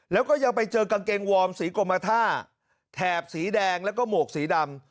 แล้วก็ยังไปเจอกางเกงวอร์มสีกรมท่าแถบสีแดงแล้วก็หมวกสีดำ